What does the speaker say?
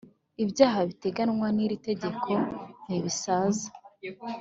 Ibyaha biteganywa n’iri tegeko ntibisaza